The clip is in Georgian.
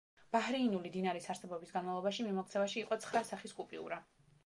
ბაჰრეინული დინარის არსებობის განმავლობაში მიმოქცევაში იყო ცხრა სახის კუპიურა.